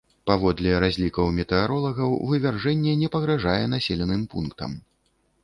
Паводле разлікаў метэаролагаў, вывяржэнне не пагражае населеным пунктам.